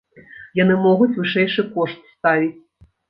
Яны могуць вышэйшы кошт ставіць.